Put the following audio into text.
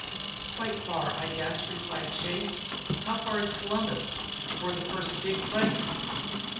"Quite far, I guess," replied Chase. "How far is Columbus, or the first big place?"